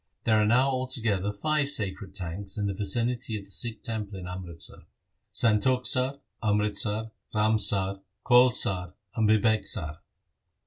There are now altogether five sacred tanks in the vicinity of the Sikh temple in Amritsar : Santokhsar, Amritsar, Ramsar, Kaul sar, and Bibeksar.